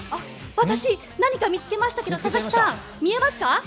私何か見つけましたが佐々木さん、見えますか？